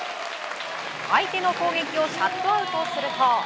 相手の攻撃をシャットアウトすると。